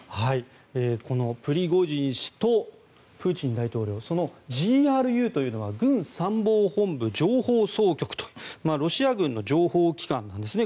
このプリゴジン氏とプーチン大統領そのＧＲＵというのは軍参謀本部情報総局というロシア軍の情報機関なんですね。